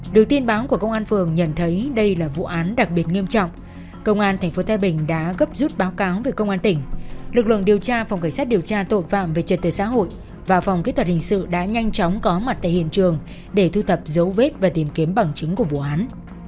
được tin báo của công an phường nhận thấy đây là vụ án đặc biệt nghiêm trọng công an tp thái bình đã gấp rút báo cáo về công an tỉnh lực lượng điều tra phòng cảnh sát điều tra tội phạm về trật tự xã hội và phòng kỹ thuật hình sự đã nhanh chóng có mặt tại hiện trường để thu thập dấu vết và tìm kiếm bằng chứng của vụ án